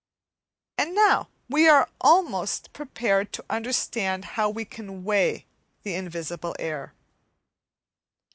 And now we are almost prepared to understand how we can weigh the invisible air.